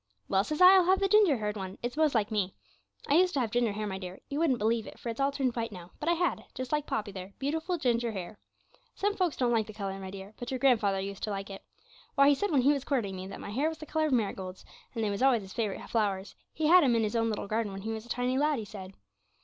'"Well," says I, "I'll have the ginger haired one; it's most like me." I used to have ginger hair, my dear; you wouldn't believe it, for it's all turned white now, but I had, just like Poppy there, beautiful ginger hair. Some folks don't like the colour, my dear, but your grandfather used to like it. Why, he said when he was courting me that my hair was the colour of marigolds, and they was always his favourite flowers; he had, 'em in his own little garden when he was a tiny lad, he said.